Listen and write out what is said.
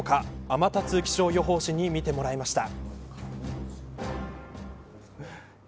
天達気象予報士に見てもらいました。